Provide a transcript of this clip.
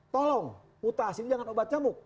tolong utasi jangan obat camuk